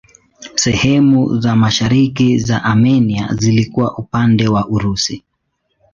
Sehemu za mashariki za Armenia zilikuwa upande wa Urusi.